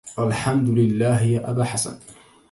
الحمد للَّه يا أبا حسنِ